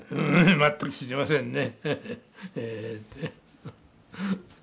全く知りませんね。